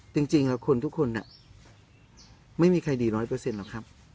จริงคนทุกคนไม่มีใครดีร้อยเปอร์เซ็นหรอกครับ